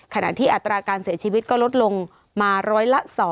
ขณะที่อัตราการเสียชีวิตก็ลดลงมาร้อยละ๒